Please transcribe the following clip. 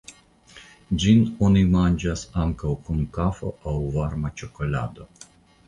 Ĝin oni manĝas ankaŭ kun kafo aŭ varma ĉokolado.